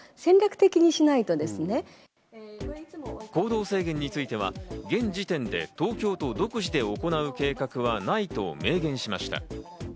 行動制限については現時点で東京都独自で行う計画はないと明言しました。